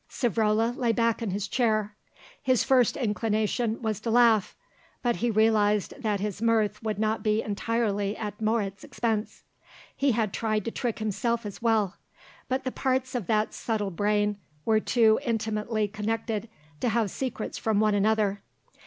Savrola lay back in his chair. His first inclination was to laugh, but he realised that his mirth would not be entirely at Moret's expense. He had tried to trick himself as well, but the parts of that subtle brain were too intimately connected to have secrets from one another.